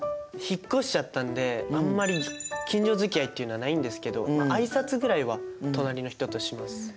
引っ越しちゃったんであんまり近所付き合いっていうのはないんですけど挨拶ぐらいは隣の人とします。